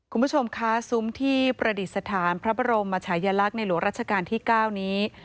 คุณผู้ชมคะซุ้มที่ประดิษฐานพระบรมชายลักษณ์ในหลวงราชการที่๙นี้